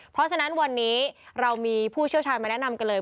เพราะฉะนั้นวันนี้เรามีผู้เชี่ยวชาญมาแนะนำกันเลย